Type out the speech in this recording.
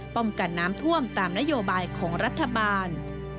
กันน้ำท่วมตามนโยบายของรัฐบาล